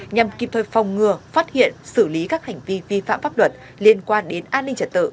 nhằm kịp thời phòng ngừa phát hiện xử lý các hành vi vi phạm pháp luật liên quan đến an ninh trật tự